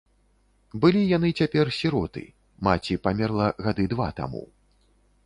Былі яны цяпер сіроты, маці памерла гады два таму.